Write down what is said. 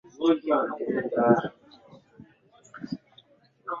Sichafue kiswahili, barakala tuwapinge,